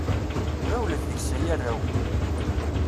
Ɣiwlet deg-s ay arraw!